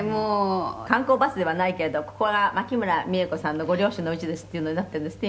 「観光バスではないけれど“ここが牧村三枝子さんのご両親のお家です”っていうのになってるんですって？